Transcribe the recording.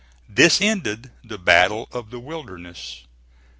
This ended the Battle of the Wilderness.